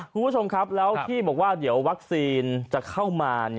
คุณผู้ชมครับแล้วที่บอกว่าเดี๋ยววัคซีนจะเข้ามา